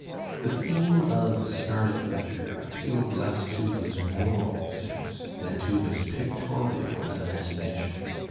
The theme of "The Scarlet < Letter" appealed less to his moral sense than to his pictorial imagination.